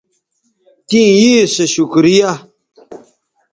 تیں یے سو شکریہ